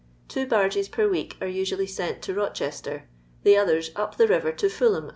Two barges per week arc usually sent to Bochester, the others up the river to Fulham, &c.